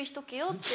って。